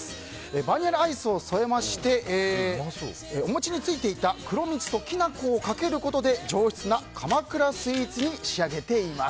バニラアイスを添えましてお餅についていた黒蜜ときな粉をかけることで上質な鎌倉スイーツに仕上げています。